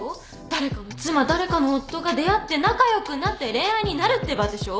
誰かの妻誰かの夫が出会って仲良くなって恋愛になるって場でしょ？